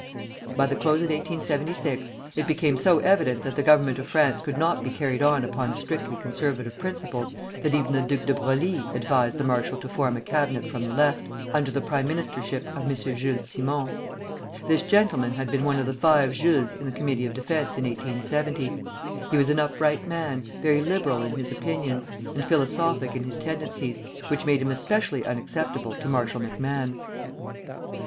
By the close of 1876 it became so evident that the government of France could not be carried on upon strictly conservative principles that even the Duc de Broglie advised the marshal to form a Cabinet from the Left, under the prime ministership of M. Jules Simon. This gentleman had been one of the five Jules's in the Committee of Defence in 1870. He was an upright man, very liberal in his opinions, and philosophic in his tendencies, which made him especially unacceptable to Marshal MacMahon.